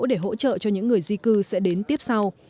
để hỗ trợ cho những người di cư sẽ đến tiếp sau